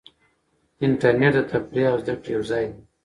انټرنیټ د تفریح او زده کړې یو ځای دی.